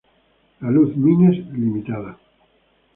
La Luz Mines Ltd.